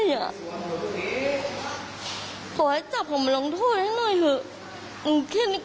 ขอให้จับผมมาลองโทษให้หน่อยเถอะแค่แค่เนี้ยค่ะ